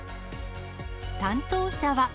担当者は。